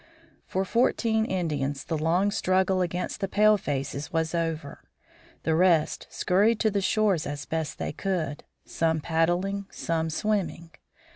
For fourteen Indians the long struggle against the palefaces was over. The rest scurried to the shore as best they could, some paddling, some swimming.